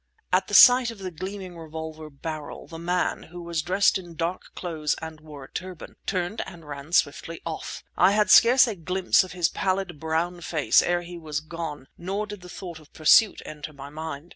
At the sight of the gleaming revolver barrel the man, who was dressed in dark clothes and wore a turban, turned and ran swiftly off. I had scarce a glimpse of his pallid brown face ere he was gone, nor did the thought of pursuit enter my mind.